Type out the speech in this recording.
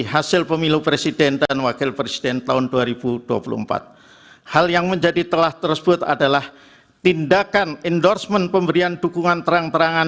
hal yang menjadi telah tersebut adalah tindakan endorsement pemberian dukungan terang terangan